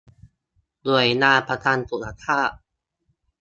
หน่วยงานประกันสุขภาพ